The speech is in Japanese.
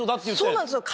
そうなんですよ